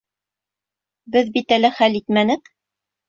Беҙ бит әле хәл итмәнек!